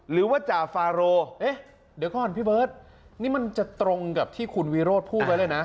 หรือว่าจ่าฟาโรเอ๊ะเดี๋ยวก่อนพี่เบิร์ตนี่มันจะตรงกับที่คุณวิโรธพูดไว้เลยนะ